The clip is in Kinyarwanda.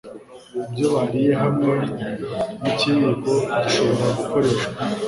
ibyo bariye hamwe n'ikiyiko gishobora gukoreshwa